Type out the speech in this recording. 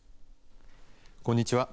こんにちは。